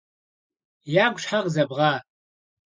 - Ягу щхьэ къызэбгъа?